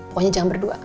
pokoknya jangan berdua